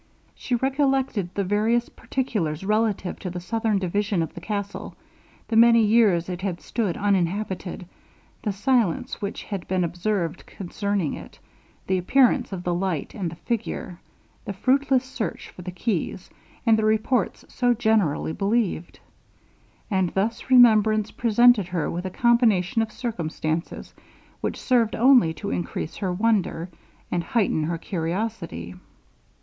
She recollected the various particulars relative to the southern division of the castle, the many years it had stood uninhabited the silence which had been observed concerning it the appearance of the light and the figure the fruitless search for the keys, and the reports so generally believed; and thus remembrance presented her with a combination of circumstances, which served only to increase her wonder, and heighten her curiosity.